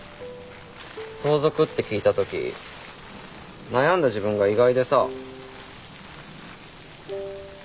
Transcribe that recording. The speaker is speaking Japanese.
相続って聞いた時悩んだ自分が意外でさ。